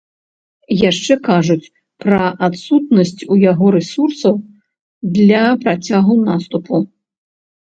Яшчэ кажуць пра адсутнасць у яго рэсурсаў для працягу наступу.